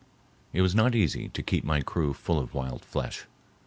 It was not easy to keep my crew full of wild flesh.